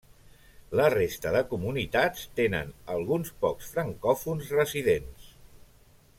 La resta de comunitats tenen alguns pocs francòfons residents.